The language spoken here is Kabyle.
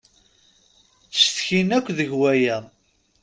Ttcetkin akk deg waya.